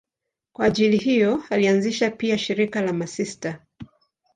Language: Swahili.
Kwa ajili hiyo alianzisha pia shirika la masista.